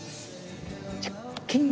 チョッキン！